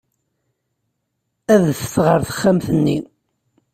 Adfet ɣer texxamt-nni.